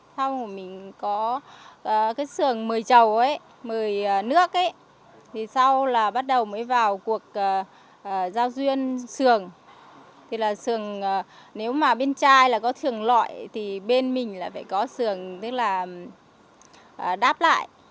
trong những cuộc hát sườn giao duyên ở nhà sàn thường có đầy đủ trà nước trầu hay rượu cần